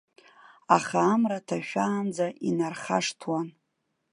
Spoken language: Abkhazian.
Аха амра ҭашәаанӡа, инархашҭуан.